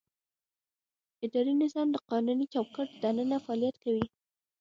اداري نظام د قانوني چوکاټ دننه فعالیت کوي.